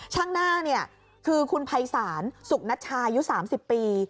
ช่างหน้าคือคุณภัยศาลสุขนัดชายุทธิ์๓๐ปี